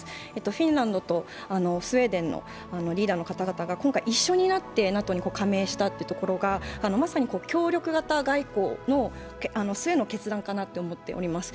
フィンランドとスウェーデンのリーダーの方々が今回一緒になってＮＡＴＯに加盟したことがまさに協力型外交の末の決断かなと思っています。